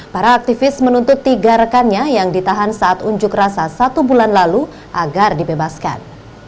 para aktivis menuntut tiga rekannya yang ditahan saat unjuk rasa satu bulan lalu agar dibebaskan